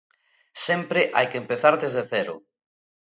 Sempre hai que empezar desde cero.